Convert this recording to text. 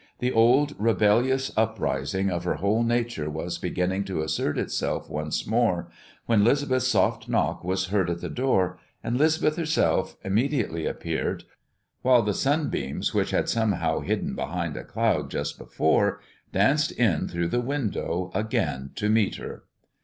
The old rebellious uprising of her whole nature was beginning to assert itself once more, when 'Lisbeth's soft knock was heard at the door, and 'Lisbeth herself immediately appeared, while the sunbeams, which had somehow hidden behind a cloud just before, danced in through the window again to meet her.